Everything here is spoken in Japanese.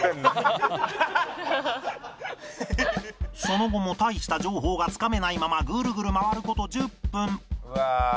その後も大した情報がつかめないままグルグル回る事１０分